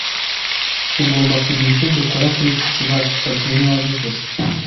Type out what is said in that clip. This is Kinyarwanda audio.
Tugomba kugira icyo dukora kuri iki kibazo fabien niwe wabivuze